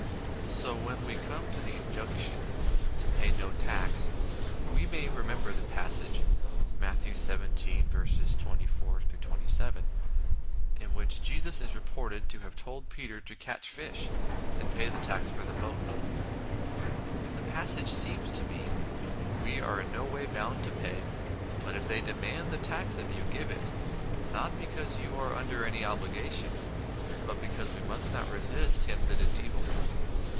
So when we come to the injunction to pay no tax, we may remember the passage (Matt. xvii. 2427) in which Jesus is reported to have told Peter to catch fish and pay the tax for them both. The passage seems to mean :" We are in no way bound to pay, but if they demand the tax of you, give it, not because you are under 16 INTRODUCTION any obligation, but because we must not resist him that is evil.